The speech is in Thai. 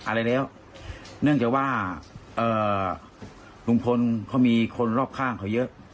อะไรแล้วเนื่องจากว่าลุงพลเขามีคนรอบข้างเขาเยอะ